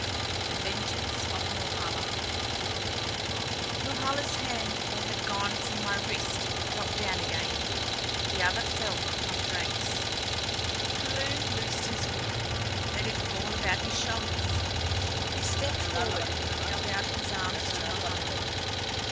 THE VENGEANCE OF NORHALA Norhala's hand that had gone from my wrist dropped down again; the other fell upon Drake's. Kulun loosed his hood, let it fall about his shoulders. He stepped forward, held out his arms to Norhala.